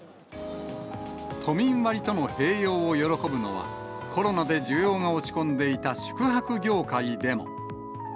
都民割との併用を喜ぶのは、コロナで需要が落ち込んでいた宿泊業界でも。